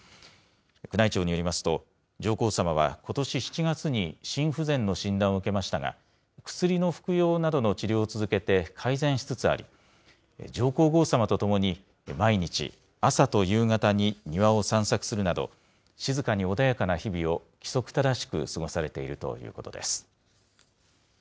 宮内庁によりますと、上皇さまはことし７月に心不全の診断を受けましたが、薬の服用などの治療を続けて改善しつつあり、上皇后さまと共に毎日、朝と夕方に庭を散策するなど、静かに穏やかな日々を、規則正しく過ごされているということです。